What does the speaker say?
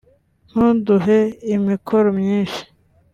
ntuduhe imikoro myinshi